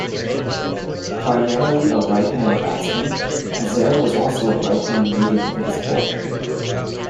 Primarily a right-hand batsman, Hazare was also a right-hand medium-pace bowler.